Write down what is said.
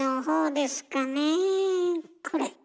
これ。